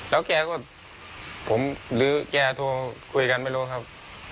แล้วแกก็ผมหรือแกโทรคุยกันไม่รู้ครับ